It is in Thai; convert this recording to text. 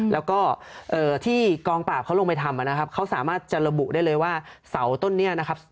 แล้วก็ที่กองปราบเขาลงไปทำนะครับเขาสามารถจะระบุได้เลยว่าเสาต้นนี้นะครับ